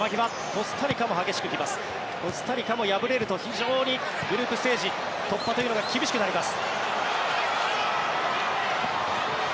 コスタリカも敗れると非常にグループステージ突破が厳しくなります。